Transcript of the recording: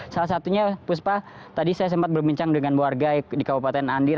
salah satunya puspa tadi saya sempat berbincang dengan warga di kabupaten andir